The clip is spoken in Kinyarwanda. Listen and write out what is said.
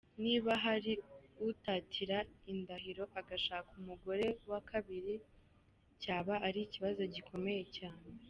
Niba hari utatira indahiro agashaka umugore wa kabiri cyaba ari ikibazo gikomeye cyane.